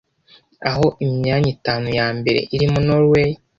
aho imyanya itanu ya mbere irimo Norway